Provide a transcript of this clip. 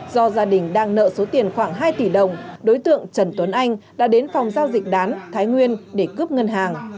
do gia đình đang nợ số tiền khoảng hai tỷ đồng đối tượng trần tuấn anh đã đến phòng giao dịch đán thái nguyên để cướp ngân hàng